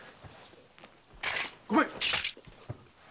ごめん！